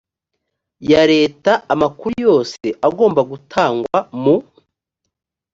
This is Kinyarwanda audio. ya leta amakuru yose agomba gutangwa mu